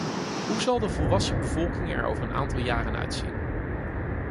Hoe zal de volwassen bevolking er over een aantal jaren uitzien?